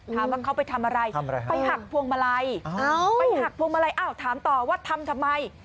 ถามว่าเขาไปทำอะไรไปหักพวงมาลัยไปหักพวงมาลัยอ้าวถามต่อว่าทำทำไม